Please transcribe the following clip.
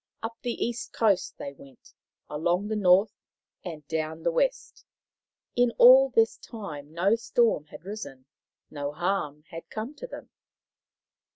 Up the east coast they went, along the north, and down the west. In all this time no storm had risen, no harm had come to them.